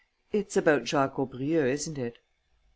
It's about Jacques Aubrieux, isn't it?"